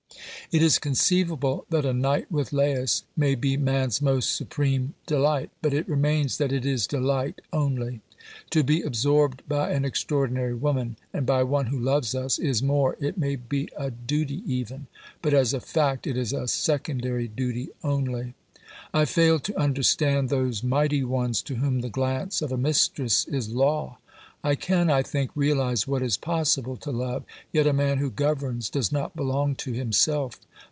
It is conceivable that a night with Lais may be man's most supreme delight, but it remains that it is delight only. To be absorbed by an extraordinary woman, and by one who loves us, is more, it may be a duty even ; but as a fact it is a secondary duty only. I fail to understand those mighty ones to whom the glance of a mistress is law. I can, I think, realise what is possible to love, yet a man who governs does not belong to himself.